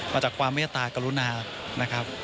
มาจากความเมตตากรุณานะครับ